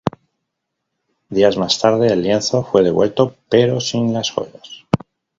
Dias más tarde el lienzo fue devuelto pero sin las joyas.